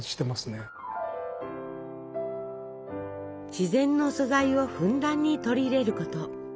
自然の素材をふんだんに取り入れること。